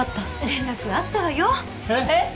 連絡あったわよえっ！？